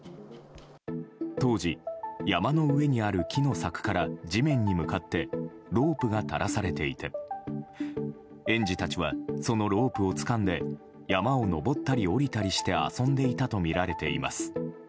当時、山の上にある木の柵から地面に向かってロープが垂らされていて園児たちはそのロープをつかんで山を登ったり下りたりして遊んでいたとみられています。